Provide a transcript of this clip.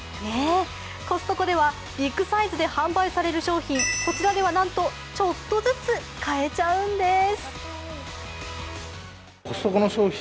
コストコではビッグサイズで販売される商品、こちらでは、なんとちょっとずつ買えちゃうんです。